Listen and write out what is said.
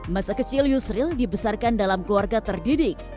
masa kecil yusril dibesarkan dalam keluarga terdidik